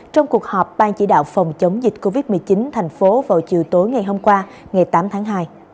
trong cuộc họp ban chỉ đạo phòng chống dịch covid một mươi chín thành phố vào chiều tối ngày hôm qua ngày tám tháng hai